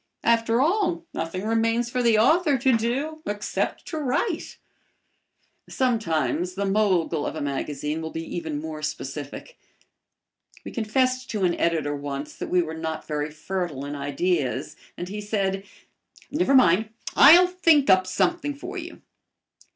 After all, nothing remains for the author to do except to write. Sometimes the mogul of a magazine will be even more specific. We confessed to an editor once that we were not very fertile in ideas, and he said, "Never mind, I'll think up something for you."